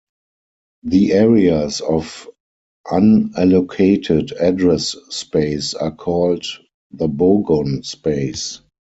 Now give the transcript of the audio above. The areas of unallocated address space are called the bogon space.